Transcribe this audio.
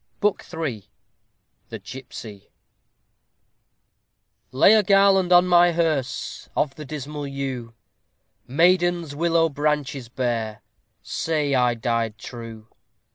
BOOK III THE GIPSY Lay a garland on my hearse Of the dismal yew; Maidens, willow branches bear, Say I died true.